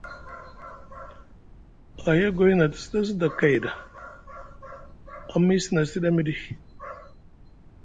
Ahiyagwi na te sɗa sda kay ta, a miisi na siɗi amiɗi.